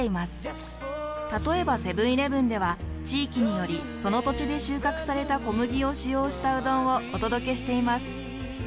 例えばセブンーイレブンでは地域によりその土地で収穫された小麦を使用したうどんをお届けしています。